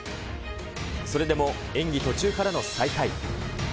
それでも演技途中からの再開。